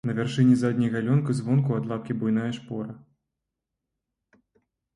На вяршыні задняй галёнкі звонку ад лапкі буйная шпора.